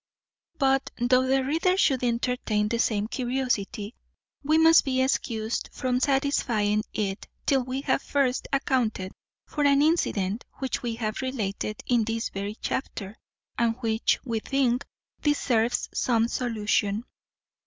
But, though the reader should entertain the same curiosity, we must be excused from satisfying it till we have first accounted for an incident which we have related in this very chapter, and which, we think, deserves some solution.